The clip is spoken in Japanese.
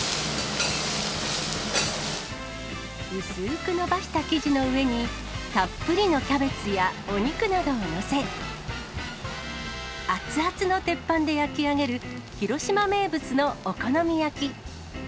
薄く伸ばした生地の上に、たっぷりのキャベツやお肉などを載せ、熱々の鉄板で焼き上げる、広島名物のお好み焼き。